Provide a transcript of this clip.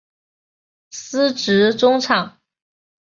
司职中场。